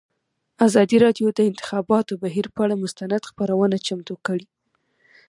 ازادي راډیو د د انتخاباتو بهیر پر اړه مستند خپرونه چمتو کړې.